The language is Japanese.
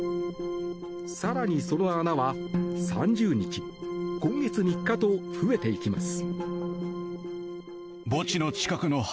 更に、その穴は３０日今月３日と増えていきます。